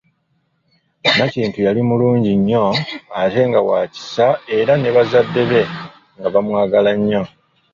Nakintu yali mulungi nnyo ate nga wa kisa era ne bazadde be nga bamwagala nnyo.